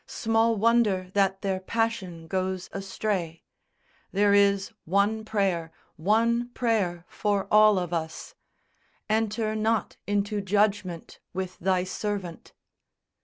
Small wonder that their passion goes astray: There is one prayer, one prayer for all of us _Enter not into judgment with Thy servant!